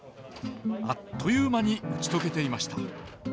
あっという間に打ち解けていました。